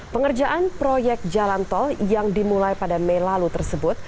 pengerjaan proyek jalan tol yang dimulai pada mei lalu tersebut